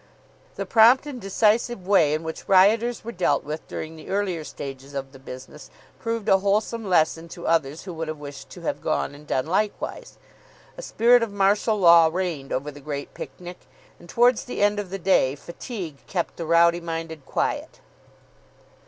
The prompt and decisive way in which rioters were dealt with during the earlier stages of the business proved a wholesome lesson to others who would have wished to have gone and done likewise. A spirit of martial law reigned over the Great Picnic. And towards the end of the day fatigue kept the rowdy minded quiet.